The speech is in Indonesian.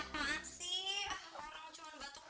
masih banyak yang dianggap